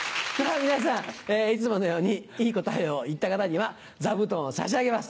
さぁ皆さんいつものようにいい答えを言った方には座布団を差し上げます。